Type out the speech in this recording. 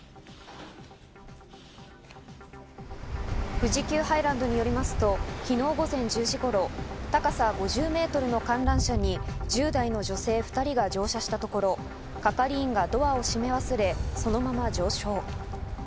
富士急ハイランドによりますと昨日午前１０時頃、高さ５０ｍの観覧車に１０代の女性２人が乗車したところ、係員がドアを閉め忘れ、そのまま上昇。